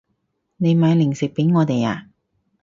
你買零食畀我哋啊